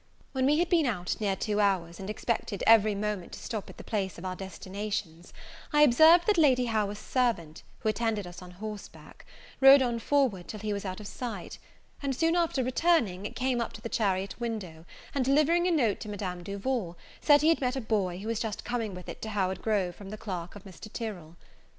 When we had been out near two hours, and expected every moment to stop at the place of our destination, I observed that Lady Howard's servant, who attended us on horseback, rode on forward till he was out of sight: and soon after returning, came up to the chariot window, and delivering a note to Madame Duval, said he had met a boy who was just coming with it to Howard Grove from the clerk of Mr. Tyrell.